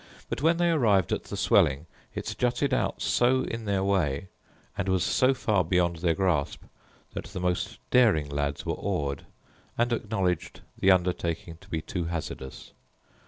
But, when they arrived at the swelling, it jutted out so in their way, and was so far beyond their grasp, that the most daring lads were awed, and acknowledged the undertaking to be too hazardous.